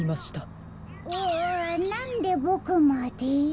うわなんでボクまで？